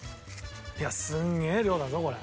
いやすげえ量だぞこれ。